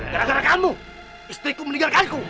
gara gara kamu istriku meninggalkanku